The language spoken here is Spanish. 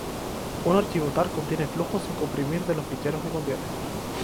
Un archivo tar contiene flujos sin comprimir de los ficheros que contiene.